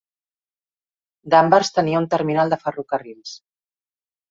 Danvers tenia una terminal de ferrocarrils.